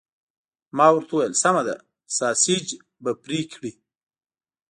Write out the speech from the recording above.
ما ورته وویل: سمه ده، ساسیج به پرې کړي؟